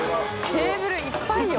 テーブルいっぱいよ。